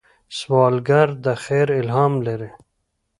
سوالګر د خیر الهام لري